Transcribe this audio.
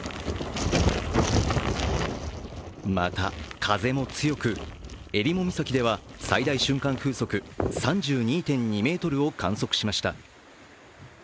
また、風も強く、えりも岬では最大瞬間風速３２．２メートルを観測しました。